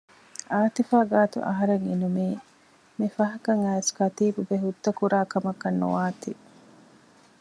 އާތިފާ ގާތު އަހަރެން އިނުމީ މި ފަހަކަށް އައިސް ކަތީބުބެ ހުއްދަކުރާ ކަމަކަށް ނުވާތީ